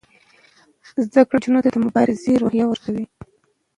زده کړه نجونو ته د مبارزې روحیه ورکوي.